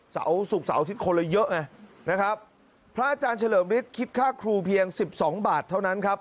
สุกสาวอาทิตย์คนละเยอะไงพระอาจารย์เฉลิมฤทธิ์คิดค่าครูเพียง๑๒บาทเท่านั้นครับ